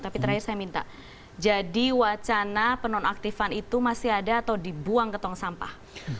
tapi terakhir saya minta jadi wacana penonaktifan itu masih ada atau dibuang ke tong sampah